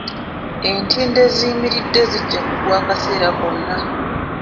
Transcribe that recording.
Entindo eziyimiridde zijja kugwa akaseera konna.